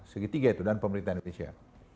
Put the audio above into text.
segitiga itu dan pemerintah indonesia